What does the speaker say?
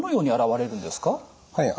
はい。